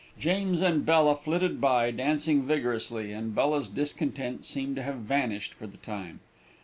James and Bella flitted by, dancing vigorously, and Bella's discontent seemed to have vanished for the time.